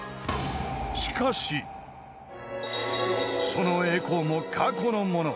［その栄光も過去のもの］